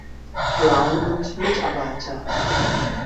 Brown und Mitarbeiter.